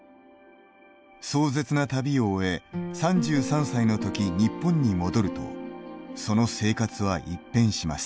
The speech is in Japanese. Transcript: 壮絶な旅を終え３３歳の時日本に戻るとその生活は一変します。